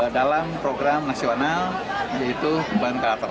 dalam program nasional yaitu bantarator